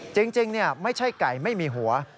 จริงไม่ใช่ไก่ไม่มีหัว